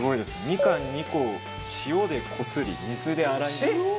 みかん２個を塩でこすり水で洗い流す。